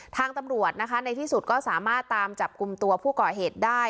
ทางตำรวจนะคะในที่สุดก็สามารถตามจับกลุ่มตัวผู้ก่อเหตุได้